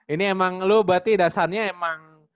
ini emang lo berarti dasarnya emang